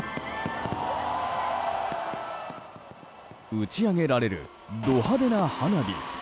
打ち上げられるド派手な花火。